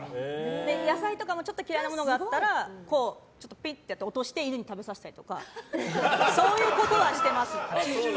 野菜とかもちょっと嫌いなものがあったらちょっとピッとやって落として犬に食べさせたりとかそういうことはしてます。